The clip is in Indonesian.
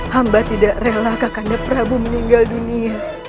hamba tidak rela kakaknya prabu meninggal dunia